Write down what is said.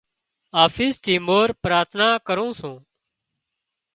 آفيس ٿِي مورِ پراٿنا ڪرُون سُون۔